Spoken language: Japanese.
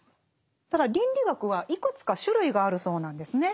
ただ倫理学はいくつか種類があるそうなんですね。